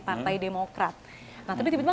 partai demokrat nah tapi tiba tiba